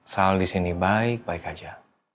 selalu di sini baik baik aja